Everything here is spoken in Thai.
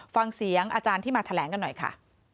ฟังเสียงอาจารย์ที่มาแถลงกันหน่อยค่ะ